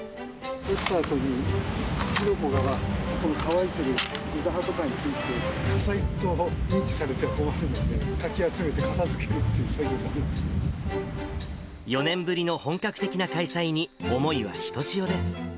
打ったあとに火の粉が、この乾いてる枝葉とかに付いて、火災と認知されると困るので、かき集めて片づけるっていう作業４年ぶりの本格的な開催に思いはひとしおです。